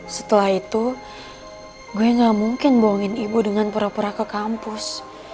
setelah itu gue gak mungkin bohongin ibu dengan pura pura ke kampus